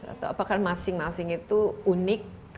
atau apakah masing masing itu unik